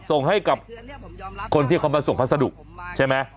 ส่งให้กับคนที่เขามาส่งพัสดุใช่ไหม